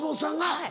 はい。